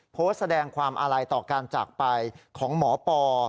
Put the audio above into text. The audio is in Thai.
โพสต์แสดงความอาลัยต่อการจากไปของหมอปอ